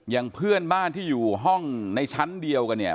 อย่างเพื่อนบ้านที่อยู่ห้องในชั้นเดียวกันเนี่ย